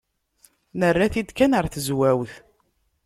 Nerra-t-id kan ɣer tezwawt.